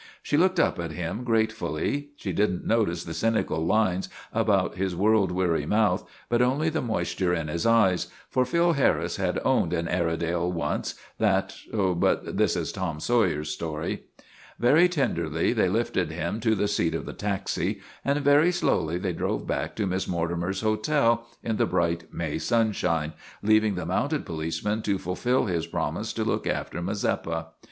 She looked up at him gratefully. She did n't no tice the cynical lines about his world weary mouth, but only the moisture in his eyes, for Phil Harris had owned an Airedale once that but this is Tom Sawyer's story. Very tenderly they lifted him to the seat of the taxi, and very slowly they drove back to Miss Morti mer's hotel in the bright May sunshine, leaving the mounted policeman to fulfil his promise to look after Mazeppa.